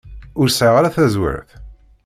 Ur sɛiɣ ara taẓwert.